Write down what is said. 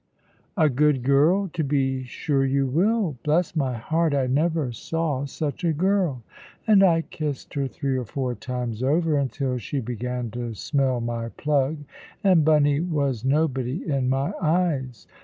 "A good girl! To be sure you will. Bless my heart, I never saw such a girl." And I kissed her three or four times over, until she began to smell my plug, and Bunny was nobody in my eyes.